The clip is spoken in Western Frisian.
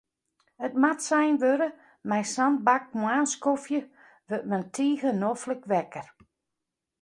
It moat sein wurde, mei sa'n bak moarnskofje wurdt men tige noflik wekker.